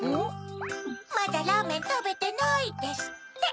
「まだラーメンたべてない」ですって。